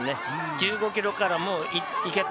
１５ｋｍから、もう行けと。